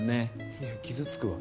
いや傷つくわ！